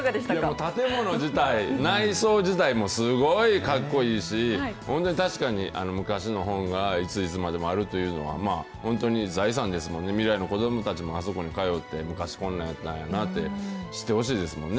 建物自体、内装自体もすごいかっこいいし、ほんで確かに、昔の本がいついつまでもあるというのは、本当に財産ですもんね、未来の子どもたちもあそこに通って、昔、こんなんやったんやなって、知ってほしいですもんね。